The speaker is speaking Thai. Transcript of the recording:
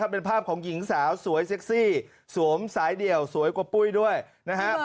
เป็นภาพของหญิงสาวสวยเซ็กซี่สวมสายเดี่ยวสวยกว่าปุ้ยด้วยนะฮะ